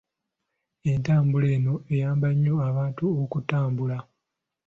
Entambula eno eyamba nnyo abantu okutambula.